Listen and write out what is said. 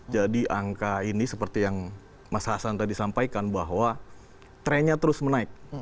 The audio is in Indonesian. jadi angka ini seperti yang mas hasan tadi sampaikan bahwa trennya terus menaik